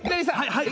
はい。